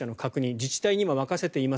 自治体に今、任せています